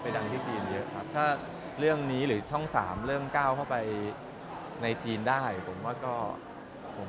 ไปใหนที่นี่และเรื่องนี้หรือช่อง๓เรื่องก้าวเข้าไปในจีนได้ผมก็กันอยู่ครับ